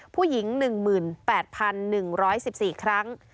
ผู้หญิง๑๘๑๑๔ครั้ง